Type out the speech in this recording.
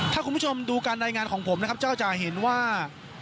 ถ้าคุณผู้ชมดูการรายงานของผมนะครับเจ้าจะเห็นว่า